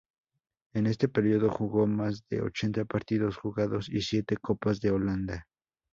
En este periodo jugó más de ochenta partidos jugados y siete copas de Holanda.